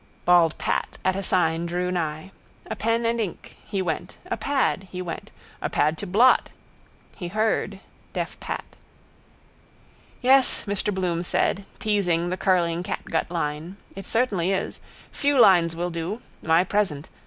Bald Pat at a sign drew nigh. A pen and ink. He went. A pad. He went. A pad to blot. He heard, deaf Pat. —Yes, Mr Bloom said, teasing the curling catgut line. It certainly is. Few lines will do. My present.